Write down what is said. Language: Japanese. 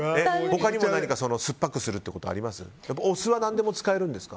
他にも酸っぱくすることあります？